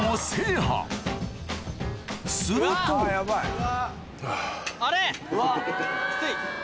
するとあれ⁉きつい？